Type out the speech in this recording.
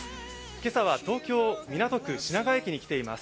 今朝は東京・港区、品川駅に来ています。